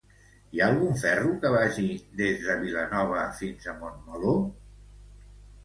Hi ha algun ferro que vagi des de Vilanova fins a Montmeló?